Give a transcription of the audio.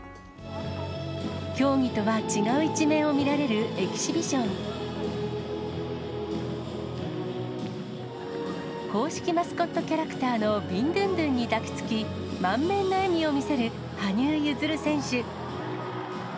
競技とは違う一面を見られるエキシビション。公式マスコットキャラクターのビンドゥンドゥンに抱きつき、満面の笑みを見せる羽生結弦選手。